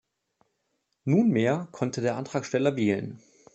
Nunmehr konnte der Antragsteller wählen.